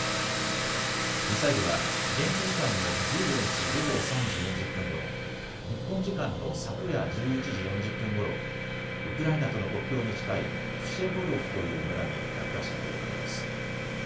ミサイルは現地時間の１５日午後３時４０分ごろ日本時間の昨夜１１時４０分ごろウクライナとの国境に近いプシェボドフという村に落下したということです。